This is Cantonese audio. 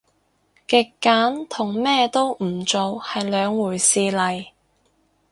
極簡同咩都唔做係兩回事嚟